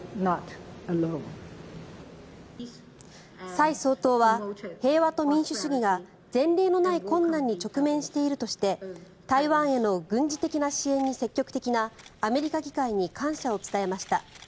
蔡総統は平和と民主主義が前例のない困難に直面しているとして台湾への軍事的な支援に積極的なアメリカ議会に感謝を伝えました。